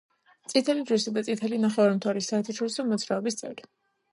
წითელი ჯვრისა და წითელი ნახევარმთვარის საერთაშორისო მოძრაობის წევრი.